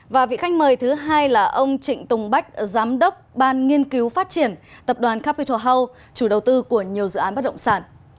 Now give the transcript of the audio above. và vị khách mời thứ hai là ông trịnh tùng bách giám đốc ban nghiên cứu phát triển tập đoàn capital house chủ đầu tư của nhiều dự án bất động sản